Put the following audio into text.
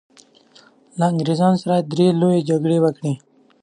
له انګریزانو سره یې درې لويې جګړې وکړې.